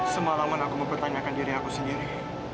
semalaman aku mempertanyakan diri aku sendiri